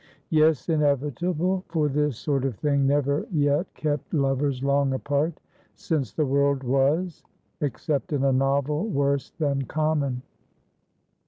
Yes, inevitable, for this sort of thing never yet kept lovers long apart since the world was, except in a novel worse than common.